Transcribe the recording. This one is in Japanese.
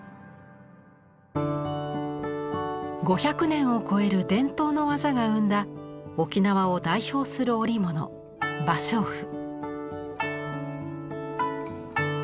５００年を超える伝統の技が生んだ沖縄を代表する織物芭蕉布。